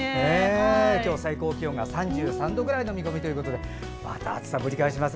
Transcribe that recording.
今日の最高気温が３３度くらいの見込みということでまた暑さがぶり返します。